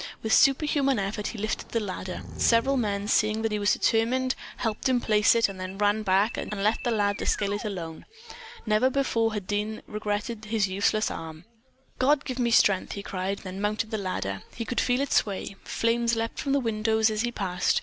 With superhuman effort he lifted the ladder. Several men seeing that he was determined helped him place it, then ran back, and left the lad to scale it alone. Never before had Dean so regretted his useless arm. "God, give me strength!" he cried; then mounted the ladder. He could feel it sway. Flames leaped from the windows as he passed.